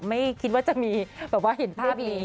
ไม่คิดว่าจะมีแบบว่าเห็นภาพนี้